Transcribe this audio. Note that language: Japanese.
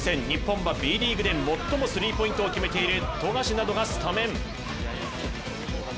日本はＢリーグで最もスリーポイントを決めている富樫などがスタメン。